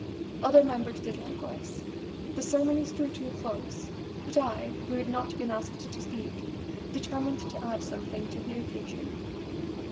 Other members did likewise. The ceremonies drew to a close, but I, who had not been asked to speak, determined to add something to the occasion.